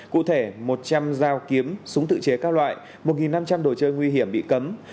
cụ thể một trăm linh dao kiếm súng tự chế các loại một năm trăm linh đồ chơi nguy hiểm bị cấm